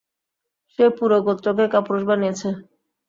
সে পুরো গোত্রকেই কাপুরুষ বানিয়েছে।